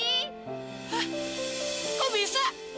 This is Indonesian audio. hah kok bisa